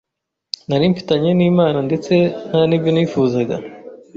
nari mfitanye n’Imana ndetse nta n’ibyo nifuzaga